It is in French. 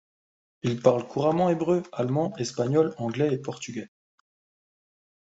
Il parle couramment hébreu, allemand, espagnol, anglais et portugais.